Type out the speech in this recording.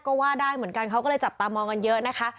ก็ว่าได้เหมือนกันเขาก็เลยจับตามองกันเยอะนะคะ